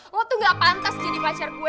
wah tuh gak pantas jadi pacar gue